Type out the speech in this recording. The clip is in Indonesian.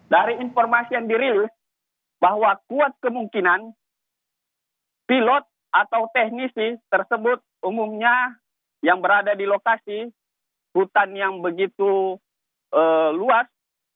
dari informasi yang dirilis bahwa kuat kemungkinan pilot atau teknisi tersebut umumnya yang berada di lokasi hutan yang begitu luas